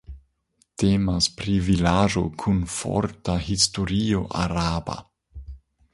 Temas pri vilaĝo kun forta historio araba.